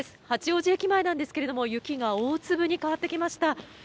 八王子駅前なんですが雪が大粒に変わってきました。